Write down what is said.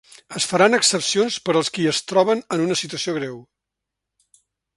Es faran excepcions per als qui es troben en una situació greu.